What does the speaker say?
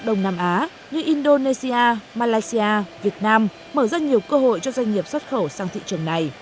đông nam á như indonesia malaysia việt nam mở ra nhiều cơ hội cho doanh nghiệp xuất khẩu sang thị trường này